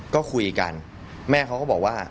ก็คุยกันแม่เขาก็บอกว่า